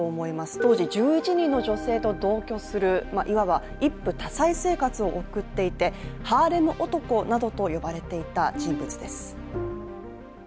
当時、１１人の女性と同居するいわば一夫多妻生活を送っていてハーレム男などと呼ばれていた人物です。